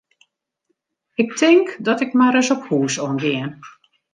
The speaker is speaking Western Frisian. Ik tink dat ik mar ris op hús oan gean.